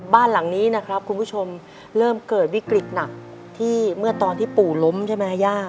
บ้านหลังนี้นะครับคุณผู้ชมเริ่มเกิดวิกฤตหนักที่เมื่อตอนที่ปู่ล้มใช่ไหมฮะย่า